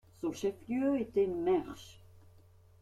Son chef-lieu était Mersch.